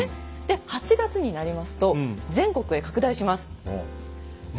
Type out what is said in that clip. で８月になりますと全国へ拡大します。